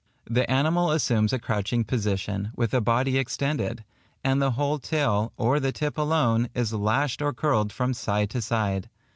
The animal assumes a crouching position, with the body extended; and the whole tail, or the tip alone, is lashed or curled from side to side.